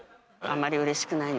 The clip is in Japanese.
あんまり嬉しくない。